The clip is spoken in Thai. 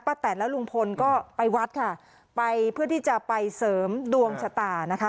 แตนและลุงพลก็ไปวัดค่ะไปเพื่อที่จะไปเสริมดวงชะตานะคะ